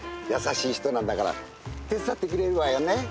優しい人なんだから手伝ってくれるわよね？